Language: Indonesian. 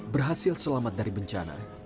berhasil selamat dari bencana